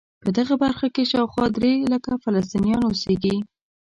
په دغه برخه کې شاوخوا درې لکه فلسطینیان اوسېږي.